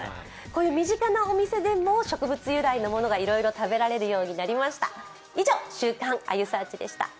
こういう身近なお店でも植物由来のものがいろいろ食べられるようになりました。